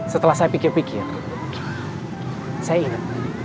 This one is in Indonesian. setelah saya pikir pikir saya ingat